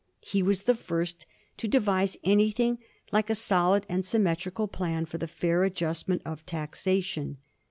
He was the first to devise anylliiiig like a solid and symmetrical plan for the fair adjustment of taxation.